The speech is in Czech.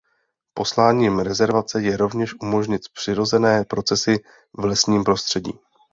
Posláním rezervace je rovněž umožnit přirozené procesy v lesním prostředí.